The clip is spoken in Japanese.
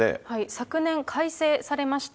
昨年、改正されました。